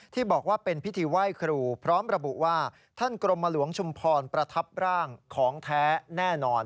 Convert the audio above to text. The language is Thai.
ที่บอกว่าเป็นพิธีไหว้ครูพร้อมระบุว่าท่านกรมหลวงชุมพรประทับร่างของแท้แน่นอน